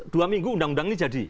dua minggu undang undang ini jadi